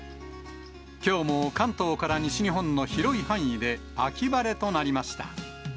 きょうも関東から西日本の広い範囲で秋晴れとなりました。